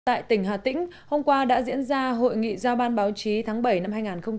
tại tỉnh hà tĩnh hôm qua đã diễn ra hội nghị giao ban báo chí tháng bảy năm hai nghìn hai mươi